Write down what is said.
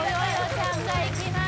ちゃんがいきます